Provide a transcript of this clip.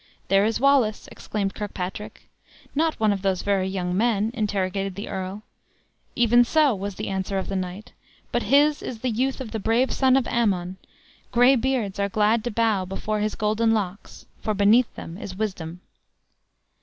"There is Wallace!" exclaimed Kirkpatrick. "Not one of those very young men?" interrogated the earl. "Even so," was the answer of the knight; "but his is the youth of the brave son of Ammon; gray beards are glad to bow before his golden locks, for beneath them is wisdom."